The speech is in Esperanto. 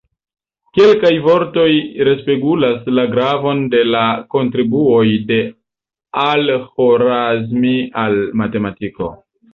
Kelkaj vortoj respegulas la gravon de la kontribuoj de Al-Ĥorazmi al matematiko.